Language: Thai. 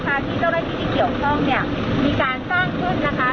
ที่เจ้าหน้าที่ที่เกี่ยวข้องเนี่ยมีการสร้างขึ้นนะคะ